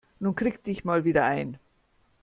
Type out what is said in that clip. Nun krieg dich mal wieder ein.